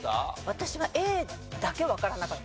私はＡだけわからなかったんです。